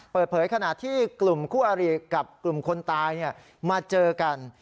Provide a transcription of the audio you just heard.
เปิดเผยขณะที่กลุ่มคู่อารีกับกลุ่มคนตายเนี่ยมาเจอกัน